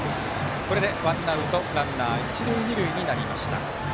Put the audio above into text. これでワンアウトランナー、一塁二塁になりました。